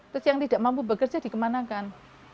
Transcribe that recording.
terus yang tidak mampu bekerja dikemanakan